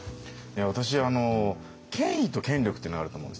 私権威と権力っていうのがあると思うんですよ。